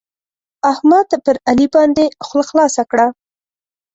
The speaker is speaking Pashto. احمد پر علي باندې خوله خلاصه کړه.